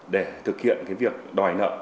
để thực hiện cái việc đòi nợ